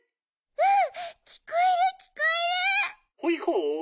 「うん。